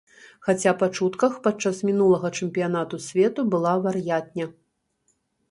Хаця, па чутках, падчас мінулага чэмпіянату свету была вар'ятня.